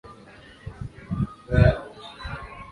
wenyeji Waindio Katika vita ya uhuru wa Marekani